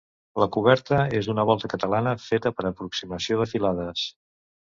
La coberta és una volta catalana feta per aproximació de filades.